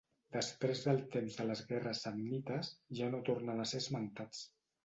Després del temps de les guerres samnites ja no tornen a ser esmentats.